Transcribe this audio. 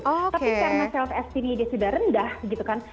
tapi karena self estimedia sudah rendah gitu kan